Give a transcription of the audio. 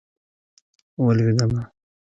ولوېدمه.